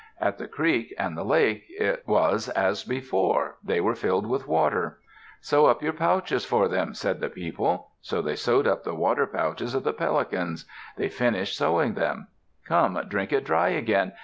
At the creek and the lake it was as before; they were filled with water. "Sew up their pouches for them," said the people. So they sewed up the water pouches of the Pelicans. They finished sewing them. "Come, drink it dry again.